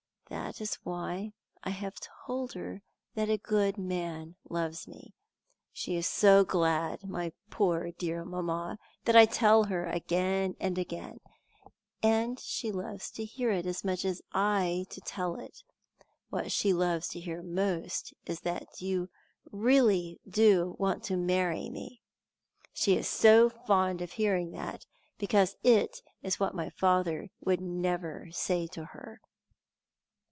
That is why I have told her that a good man loves me. She is so glad, my poor dear mamma, that I tell her again and again, and she loves to hear it as much as I to tell it. What she loves to hear most is that you really do want to marry me. She is so fond of hearing that because it is what my father would never say to her."